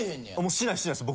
しないしないです。